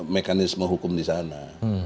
mekanisme hukum di sana